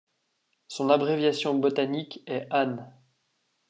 Son abréviation botanique est Ann.